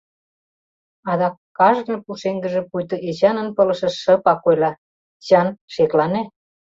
Адак кажне пушеҥгыже пуйто Эчанын пылышыш шыпак ойла: «Эчан, шеклане!